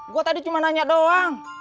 gue tadi cuma nanya doang